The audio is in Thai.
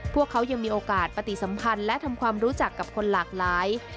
พวกเขายังมีโอกาสปฏิสัมพันธ์และทำความรู้จักกับคนหลากหลาย